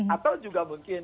atau juga mungkin